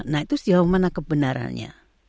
nah itu sejauh mana kebenarannya